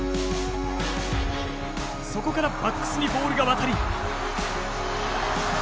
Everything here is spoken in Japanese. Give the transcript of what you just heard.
そこからバックスにボールが渡り。